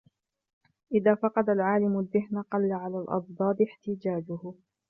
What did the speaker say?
إذَا فَقَدَ الْعَالِمُ الذِّهْنَ قَلَّ عَلَى الْأَضْدَادِ احْتِجَاجُهُ